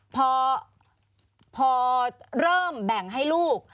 พอเริ่มแบ่งให้ลูก